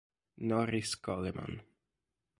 Norris Coleman